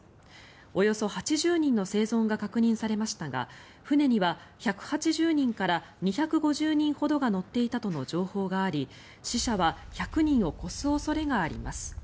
およそ８０人の生存が確認されましたが船には１８０人から２５０人ほどが乗っていたとの情報があり死者は１００人を超す恐れがあります。